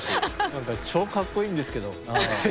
何か超かっこいいんですけど。